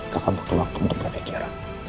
kakak butuh waktu untuk berpikir